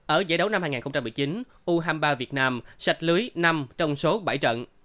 ở giải đấu năm hai nghìn một mươi chín u hai mươi ba việt nam sạch lưới năm trong số bảy trận